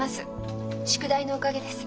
宿題のおかげです。